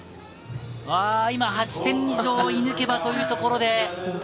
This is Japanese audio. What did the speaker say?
今８点以上、射抜けばというところで。